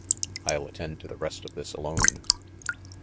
I'll attend to the rest of this alone."